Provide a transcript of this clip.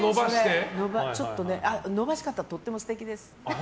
伸ばし方、とっても素敵です。